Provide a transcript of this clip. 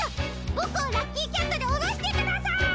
ボクをラッキーキャットでおろしてください！